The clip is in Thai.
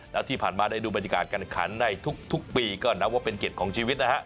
แล้วที่ผ่านมาได้ดูบรรยากาศการขันในทุกปีก็นับว่าเป็นเกียรติของชีวิตนะฮะ